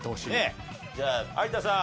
じゃあ有田さん。